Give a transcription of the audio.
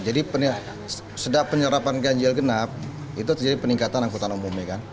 jadi setelah penyerapan ganjil genap itu jadi peningkatan angkutan umumnya